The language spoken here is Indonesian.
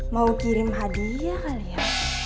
mau kirim hadiah kali ya